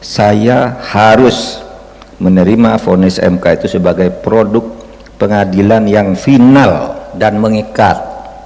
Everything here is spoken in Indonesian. saya harus menerima fonis mk itu sebagai produk pengadilan yang final dan mengikat